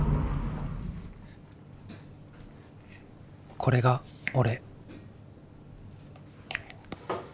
これが俺。